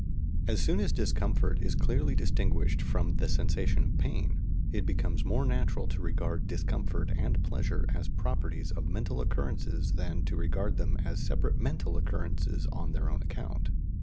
As soon as discomfort is clearly distinguished from the sensation of pain, it becomes more natural to regard discomfort and pleasure as properties of mental occurrences than to regard them as separate mental occurrences on their own account.